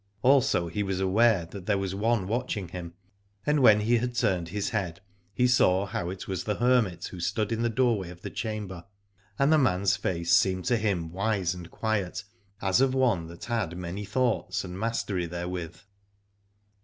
Also he was aware that there was one watching him, and when he had turned his head he saw how it was the hermit who stood in the doorway of the chamber : and the man's face seemed to him wise and quiet, as of one that had many thoughts and mastery therewith.